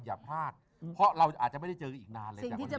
อย่าพลาดเพราะเราอาจจะไม่ได้เจอกันอีกนานเลยจากวันนี้